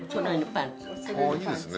ああいいですね。